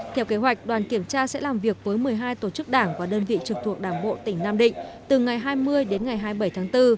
theo kế hoạch đoàn kiểm tra sẽ làm việc với một mươi hai tổ chức đảng và đơn vị trực thuộc đảng bộ tỉnh nam định từ ngày hai mươi đến ngày hai mươi bảy tháng bốn